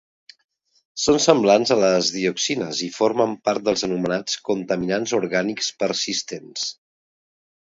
Són semblants a les dioxines i formen part dels anomenats Contaminants orgànics persistents.